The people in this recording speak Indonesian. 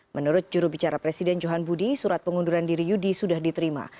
menurut jurubicara presiden johan budi surat pengunduran diri yudi sudah diterima